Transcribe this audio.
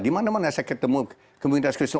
dimana mana saya ketemu komunitas kristen